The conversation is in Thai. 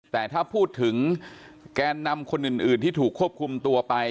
แต่ถ้าพูดถึงแกนนำคนอื่นที่ถูกควบคุมตัวไป